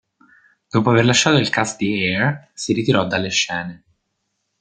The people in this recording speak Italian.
Dopo aver lasciato il cast di "Hair" si ritirò dalle scene.